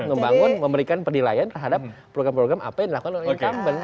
membangun memberikan penilaian terhadap program program apa yang dilakukan oleh incumbent